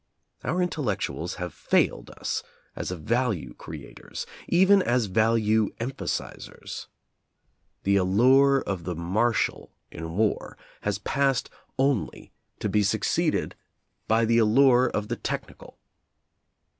Our intellectuals have failed us as value creators, even as value emphasizers. The allure of the martial in war has passed only to be suc ceeded by the allure of the technical.